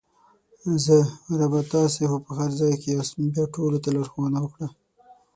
زه: ربه تاسې خو په هر ځای کې یاست بیا ټولو ته لارښوونه وکړه!